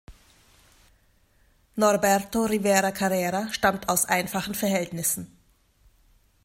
Norberto Rivera Carrera stammt aus einfachen Verhältnissen.